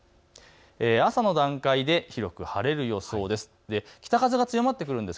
朝の段階で広く晴れる予想です。